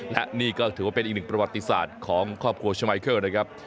และนี่ก็ถือว่าเป็นอีกหนึ่งประวัติศาสตร์ของครอบครัวชมัยเคิลนะครับ